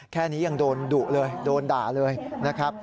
แค่นี้ยังโดนดุเลยโดนด่าเลยนะครับ